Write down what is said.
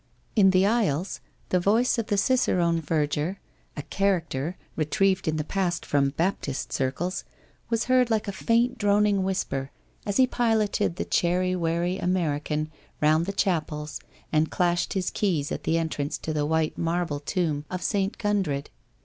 In the aisles the voice of the cicerone verger, a ' character,' retrieved in the past from Baptist circles, was heard like a faint droning whisper as he piloted the chary, wary American round the chapels and clashed his keys at the entrance to the white marble tomb of St. Gundred.